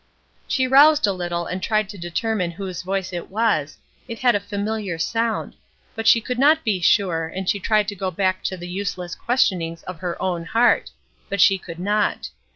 She roused a little and tried to determine whose voice it was, it had a familiar sound, but she could not be sure, and she tried to go back to the useless questionings of her own heart; but she could not.